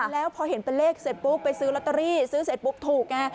แล้วพอเห็นเป็นเลขเสร็จปุ๊บไปซื้อลอตเตอรี่ซื้อเสร็จปุ๊บถูกไง